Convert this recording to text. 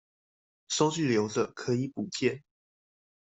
收據留著，可以補件